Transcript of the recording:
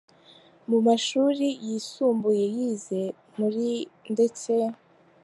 Mu mashuri yisumbuye yize muri ndetse.